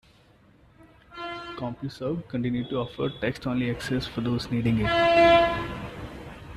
Compuserve continued to offer text-only access for those needing it.